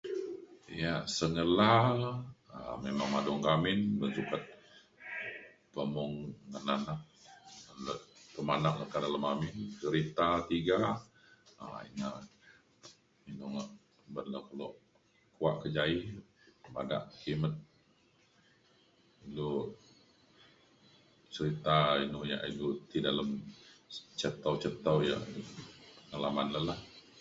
Ia’ sengela um memang madung kak amin ban sukat pemung ngan anak le pemanak le kak dalem amin berita tiga um ina [unintelligible] ban le kelo kuak kejaie bada kimet ilu serita inu yak ilu ti dalem ca tau ca tau yak [unintelligible] lah.